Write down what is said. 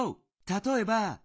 たとえば。